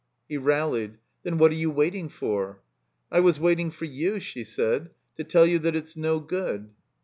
He rallied. "Then what are you waiting for?" "I was waiting for you," she said, "to tell you that it's no good."